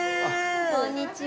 こんにちは。